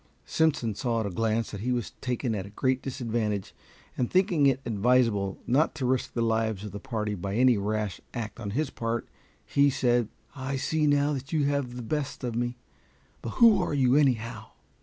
Simpson saw at a glance that he was taken at a great disadvantage, and thinking it advisable not to risk the lives of the party by any rash act on his part, he said, "I see now that you have the best of me; but who are you, anyhow?"